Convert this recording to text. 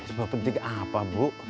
info penting apa bu